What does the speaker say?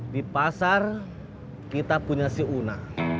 di pasar kita punya si una